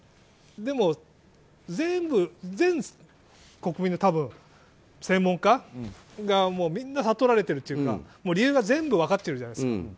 でも、全国民の専門家がみんな悟られてるというか理由が全部分かっているじゃないですか。